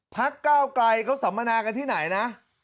พรรคเก้าไกรเขาสัมมนากันที่ไหนนะ